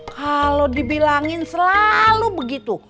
kalau dibilangin selalu begitu